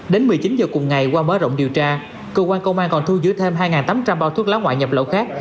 đến một mươi chín h cùng ngày qua mở rộng điều tra công an còn thu giữ thêm hai tám trăm linh bao thuốc lá ngoại nhập lậu khác